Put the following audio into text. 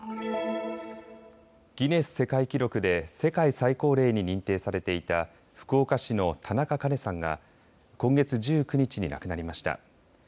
ギネス世界記録で世界最高齢に認定されていた福岡市の田中カ子さんが今月１９日に亡くなりました。